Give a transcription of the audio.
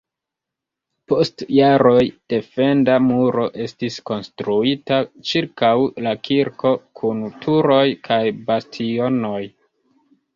Post jaroj defenda muro estis konstruita ĉirkaŭ la kirko kun turoj kaj bastionoj.